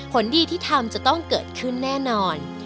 ผลดีที่ทำจะต้องเกิดขึ้นแน่นอน